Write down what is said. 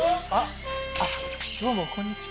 あっどうもこんにちは。